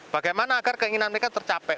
bagaimana agar keinginan mereka tercapai